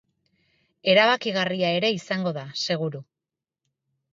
Erabakigarria ere izango da, seguru.